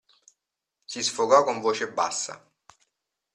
Si sfogò con voce bassa.